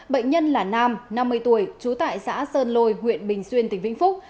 bệnh nhân là nam năm mươi tuổi trú tại xã sơn lôi huyện bình xuyên tỉnh vĩnh phúc